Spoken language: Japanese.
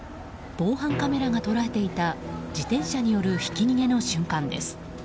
防犯カメラが捉えていた自転車によるひき逃げの瞬間です。